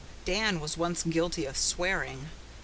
Dan was once guilty of swearing.